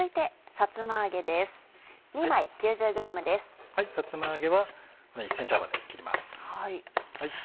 さつま揚げは１ｃｍ幅に切ります。